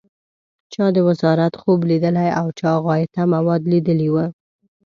چا د وزارت خوب لیدلی او چا غایطه مواد لیدلي و.